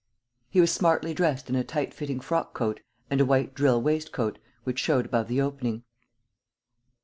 He was smartly dressed in a tight fitting frock coat and a white drill waistcoat, which showed above the opening.